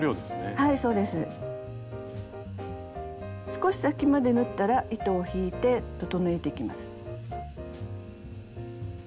少し先まで縫ったら糸を引いて整えていきます。